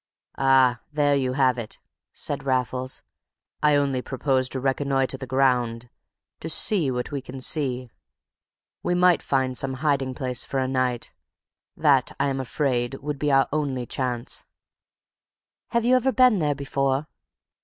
"Ah, there you have it," said Raffles. "I only propose to reconnoitre the ground, to see what we can see. We might find some hiding place for a night; that, I am afraid, would be our only chance." "Have you ever been there before?"